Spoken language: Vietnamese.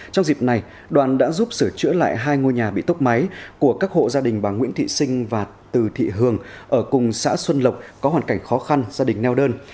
trong dịp này đoàn đã giúp sửa chữa lại hai ngôi nhà bị tốc máy của các hộ gia đình bà nguyễn thị sinh và từ thị hường ở cùng xã xuân lộc có hoàn cảnh khó khăn gia đình neo đơn